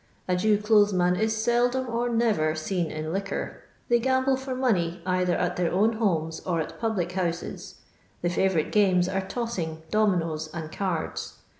A Jew clothes man is seldom or never seen in liquor. They gamble for money, either at their own homes or at public houses. The fovourite games are tossing, dominoes, and cards.